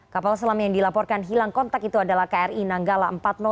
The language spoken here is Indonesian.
kapal selam yang dilaporkan hilang kontak itu adalah kri nanggala empat ratus dua